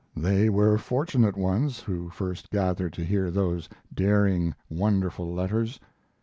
They were fortunate ones who first gathered to hear those daring, wonderful letters.